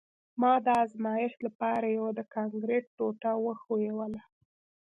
ما د ازمایښت لپاره یوه د کانکریټ ټوټه وښویوله